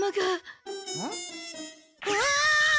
うわ！